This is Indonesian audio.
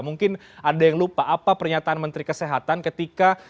mungkin ada yang lupa apa pernyataan menteri kesehatan ketika